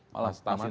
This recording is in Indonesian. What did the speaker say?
malam terima kasih